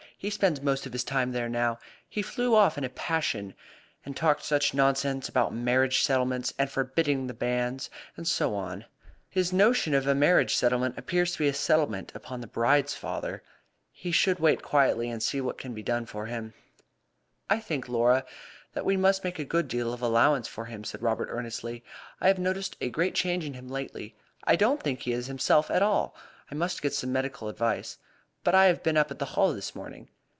He spends most of his time there now. He flew off in a passion, and talked such nonsense about marriage settlements, and forbidding the banns, and so on. His notion of a marriage settlement appears to be a settlement upon the bride's father. He should wait quietly, and see what can be done for him." "I think, Laura, that we must make a good deal of allowance for him," said Robert earnestly. "I have noticed a great change in him lately. I don't think he is himself at all. I must get some medical advice. But I have been up at the Hall this morning."